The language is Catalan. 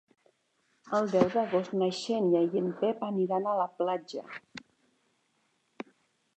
El deu d'agost na Xènia i en Pep aniran a la platja.